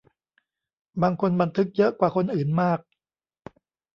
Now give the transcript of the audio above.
บางคนบันทึกเยอะกว่าคนอื่นมาก